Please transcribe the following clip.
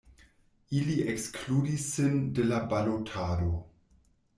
Ili ekskludis sin de la balotado.